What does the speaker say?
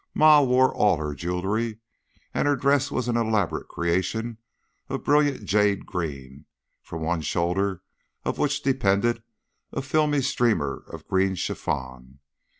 Ma wore all her jewelry, and her dress was an elaborate creation of brilliant jade green, from one shoulder of which depended a filmy streamer of green chiffon.